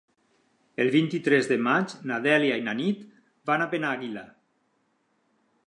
El vint-i-tres de maig na Dèlia i na Nit van a Penàguila.